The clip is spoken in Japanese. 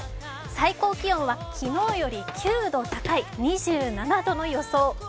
最高気温は昨日より９度高い２７度の予想ね